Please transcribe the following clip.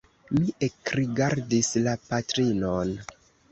Mi ekrigardis la patrinon.